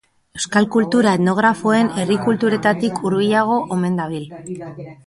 Euskal kultura etnografoen herri-kulturetatik hurbilago omen dabil.